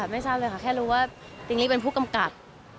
ไม่ทราบเลยค่ะแค่รู้ว่าติ๊งลี่เป็นผู้กำกับ